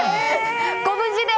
ご無事で。